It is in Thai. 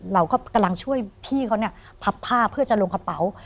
เราก็กำลังช่วยพี่เขาเนี่ยพับผ้าเพื่อจะลงกระเป๋า